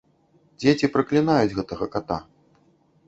Дзеці праклінаюць гэтага ката.